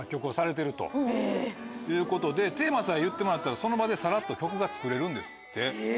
テーマさえ言ってもらったらその場でサラっと曲が作れるんですって。